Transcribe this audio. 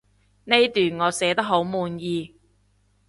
呢段我寫得好滿意